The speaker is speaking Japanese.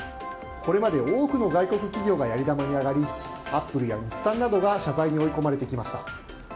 これまで、多くの外国企業がやり玉に挙がりアップルや日産などが謝罪に追い込まれてきました。